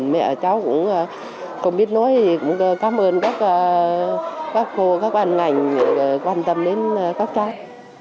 mẹ cháu cũng không biết nói cảm ơn các cô các bàn ngành quan tâm đến các cháu